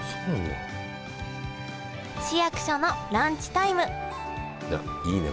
市役所のランチタイムいいね